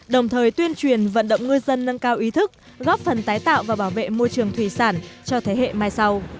đồng thời tuyên truyền vận động ngư dân nâng cao ý thức góp phần tái tạo và bảo vệ môi trường thủy sản cho thế hệ mai sau